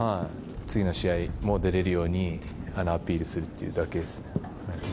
次の試合も出れるように、アピールするっていうだけですね。